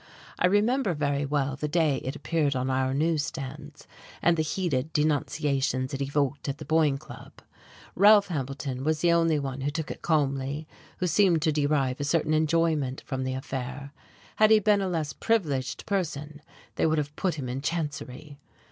I remember very well the day it appeared on our news stands, and the heated denunciations it evoked at the Boyne Club. Ralph Hambleton was the only one who took it calmly, who seemed to derive a certain enjoyment from the affair. Had he been a less privileged person, they would have put him in chancery.